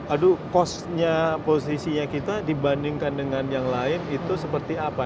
aduh cost nya posisinya kita dibandingkan dengan yang lain itu seperti apa